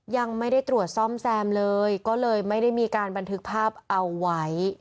ยังไม่ได้ตรวจซ่อมแซมเลยก็เลยไม่ได้มีการบันทึกภาพเอาไว้